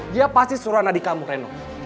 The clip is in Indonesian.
dia pasti suruh anadika mukreno